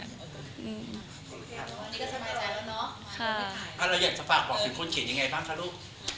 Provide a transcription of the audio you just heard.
ถ้าเราอยากจะฝากบอกถึงคนเขียนยังไงบ้างคะลูก